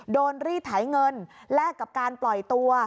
รีดไถเงินแลกกับการปล่อยตัว